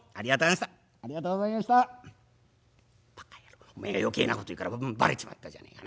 ばか野郎お前が余計なこと言うからばれちまったじゃねえか。